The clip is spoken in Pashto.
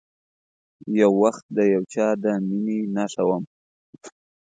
یو وخت د یو چا د میینې نښه وم